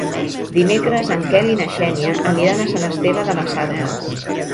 Dimecres en Quel i na Xènia aniran a Sant Esteve de la Sarga.